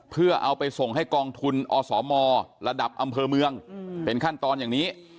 เพื่อเอาไปส่งให้กองทุนอสมระดับอำเภอเมืองเป็นขั้นตอนอย่างนี้